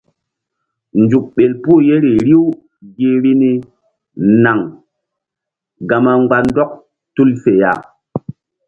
Nzuk ɓel puh yeri riw gi vbi ni naŋ gama mgba ndɔk tul fe ya.